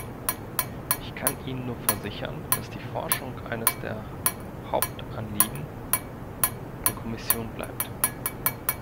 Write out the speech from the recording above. Ich kann Ihnen nur versichern, dass die Forschung eines der Hauptanliegen der Kommission bleibt.